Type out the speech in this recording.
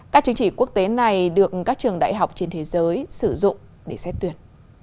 các chứng chỉ quốc tế này được các trường đại học trên thế giới sử dụng để xét tuyển